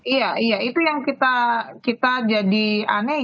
iya iya itu yang kita jadi aneh